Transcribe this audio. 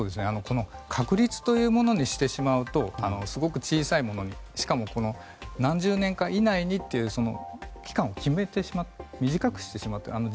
確率というものにしてしまうとすごく小さいものしかも何十年か以内にと期間を決めてしまって短くしてしまっていて。